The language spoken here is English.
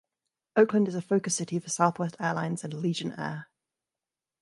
Oakland is a focus city for Southwest Airlines and Allegiant Air.